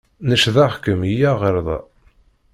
Necdeɣ-kem iyya ɣer da.